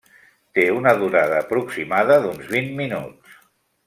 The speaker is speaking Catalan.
Té una durada aproximada d’uns vint minuts.